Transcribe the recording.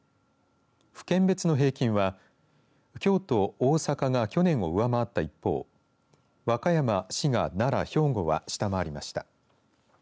府県別の平均は京都、大阪が去年を上回った一方和歌山、滋賀、奈良、兵庫は下回りました。